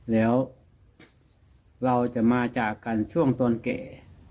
แล้วเราจะมาจากกันช่วงตอนแก่